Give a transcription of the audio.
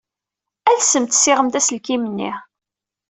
Alsemt ssiɣemt aselkim-nni.